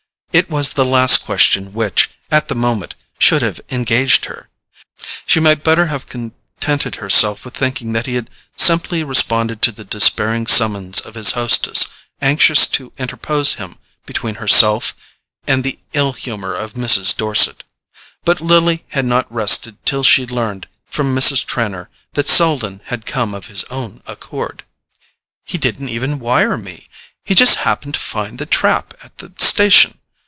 It was the last question which, at that moment, should have engaged her. She might better have contented herself with thinking that he had simply responded to the despairing summons of his hostess, anxious to interpose him between herself and the ill humour of Mrs. Dorset. But Lily had not rested till she learned from Mrs. Trenor that Selden had come of his own accord. "He didn't even wire me—he just happened to find the trap at the station.